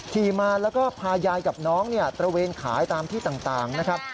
ขี่มาแล้วก็พายายกับน้องตระเวนขายตามที่ต่างนะครับ